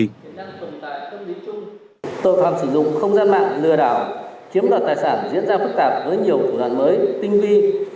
tội phạm sử dụng không gian mạng lừa đảo chiếm đoạt tài sản diễn ra phức tạp với nhiều thủ đoạn mới tinh vi